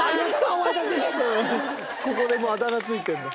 ここでもうあだ名付いてんだ。